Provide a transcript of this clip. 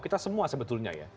kita semua sebetulnya ya